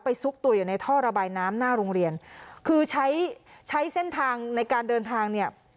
ซุกตัวอยู่ในท่อระบายน้ำหน้าโรงเรียนคือใช้ใช้เส้นทางในการเดินทางเนี่ย